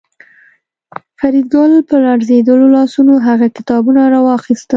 فریدګل په لړزېدلو لاسونو هغه کتابونه راواخیستل